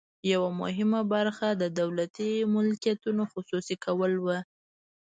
یوه مهمه برخه د دولتي ملکیتونو خصوصي کول وو.